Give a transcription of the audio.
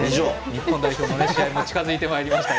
日本代表の試合も近づいてまいりました。